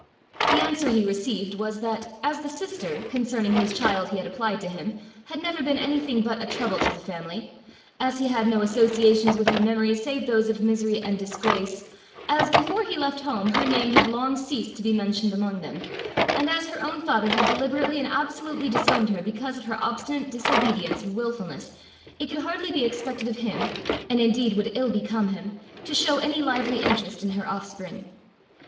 The answer he received was, that, as the sister, concerning whose child he had applied to him, had never been anything but a trouble to the family; as he had no associations with her memory save those of misery and disgrace; as, before he left home, her name had long ceased to be mentioned among them; and as her own father had deliberately and absolutely disowned her because of her obstinate disobedience and wilfulness, it could hardly be expected of him, and indeed would ill become him, to show any lively interest in her offspring.